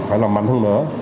phải làm mạnh hơn nữa